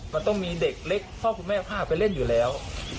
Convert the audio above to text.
มันต้องมีเด็กเล็กพ่อคุณแม่พาไปเล่นอยู่แล้ว